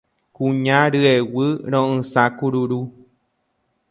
Kuña ryeguy ro'ysã kururu